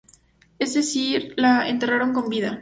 Es decir la enterraron con vida.